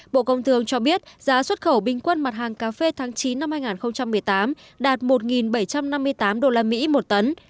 bộ công thương cho biết giá xuất khẩu bình quân mặt hàng cà phê tháng chín năm hai nghìn một mươi tám đạt một bảy trăm năm mươi tám usd một tấn